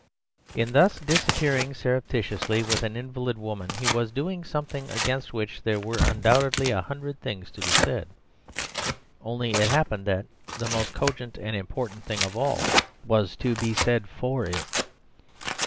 In thus disappearing surreptitiously with an invalid woman he was doing something against which there were undoubtedly a hundred things to be said, only it happened that the most cogent and important thing of all was to be said for it.